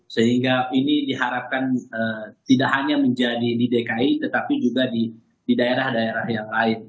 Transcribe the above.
sehingga ini diharapkan tidak hanya menjadi di dki tetapi juga di daerah daerah yang lain